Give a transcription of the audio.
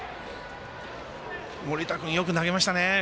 盛田君、よく投げましたね。